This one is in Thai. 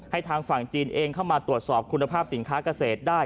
ทางฝั่งจีนเองเข้ามาตรวจสอบคุณภาพสินค้าเกษตรได้